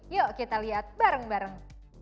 yuk kita lihat bareng bareng